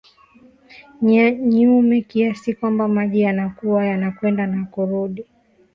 nyume kiasi kwamba maji yanakuwa yanakwenda na kurudi